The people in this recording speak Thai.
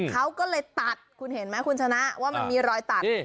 เขาก็เลยตัดคุณเห็นไหมคุณชนะว่ามันมีรอยตัด